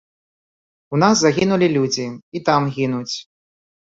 У нас загінулі людзі, і там гінуць.